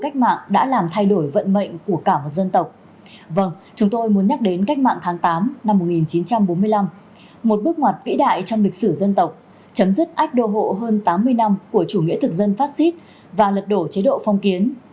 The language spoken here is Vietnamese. vâng tôi muốn nhắc đến cách mạng tháng tám năm một nghìn chín trăm bốn mươi năm một bước ngoặt vĩ đại trong lịch sử dân tộc chấm dứt ách đô hộ hơn tám mươi năm của chủ nghĩa thực dân phát xít và lật đổ chế độ phong kiến